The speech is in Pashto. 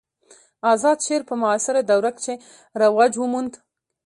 آزاد شعر په معاصره دوره کښي رواج وموند.